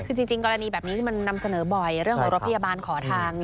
คือจริงกรณีแบบนี้ที่มันนำเสนอบ่อยเรื่องของรถพยาบาลขอทาง